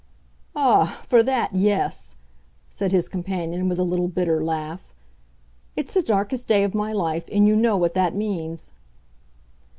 "Ah, for that, yes!" said his companion, with a little bitter laugh. "It's the darkest day of my life—and you know what that means."